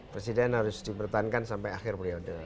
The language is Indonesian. presiden harus dipertahankan sampai akhir periode